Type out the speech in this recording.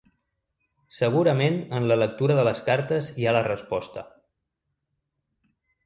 Segurament en la lectura de les cartes hi ha la resposta.